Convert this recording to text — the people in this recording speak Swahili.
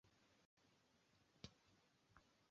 na ushindi hivyo ac millan ametupwa nje katika